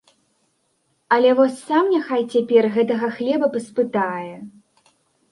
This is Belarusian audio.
Але вось сам няхай цяпер гэтага хлеба паспытае.